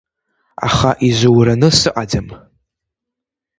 Аха изураны сыҟаӡам…